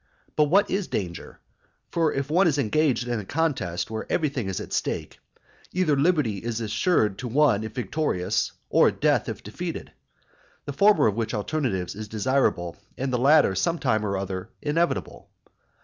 But what is danger? For if one is engaged in a contest where everything is at stake, either liberty is assured to one if victorious, or death if defeated, the former of which alternatives is desirable, and the latter some time or other inevitable.